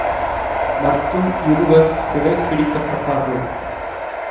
மற்றும் இருவர் சிறை பிடிக்கப்பட்டார்கள்.